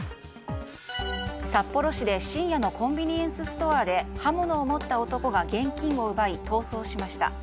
札幌市で深夜のコンビニエンスストアで刃物を持った男が現金を奪い、逃走しました。